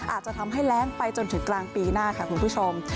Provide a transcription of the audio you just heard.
อาจจะทำให้แรงไปจนถึงกลางปีหน้าค่ะคุณผู้ชม